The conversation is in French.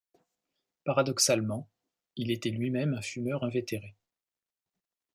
Paradoxalement, il était lui-même un fumeur invétéré.